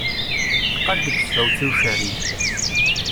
Tqadd-d tfawet i ucerrig.